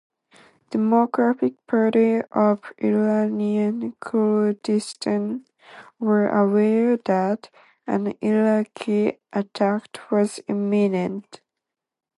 Democratic Party of Iranian Kurdistan were aware that an Iraqi attack was imminent.